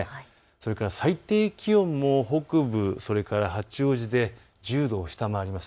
それから最低気温も北部、八王子で１０度を下回ります。